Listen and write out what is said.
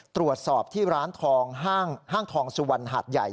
ตรวจสอบที่ร้านทองห้างทองสุวรรณหาดใหญ่